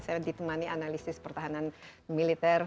saya ditemani analisis pertahanan militer